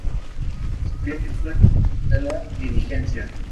Su genio fue el producto de la diligencia.